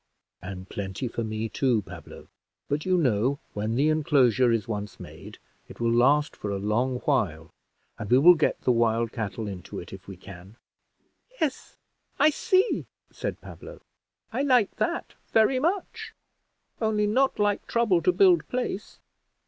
"And plenty for me, too, Pablo; but you know when the inclosure is once made it will last for a long while; and we will get the wild cattle into it if we can." "Yes, I see," said Pablo. "I like that very much; only not like trouble to build place."